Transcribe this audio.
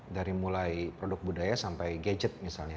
dari mulai produk budaya sampai gadget misalnya